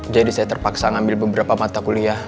jadi saya terpaksa ngambil beberapa mata kuliah